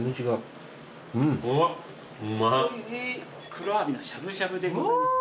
黒アワビのしゃぶしゃぶでございます。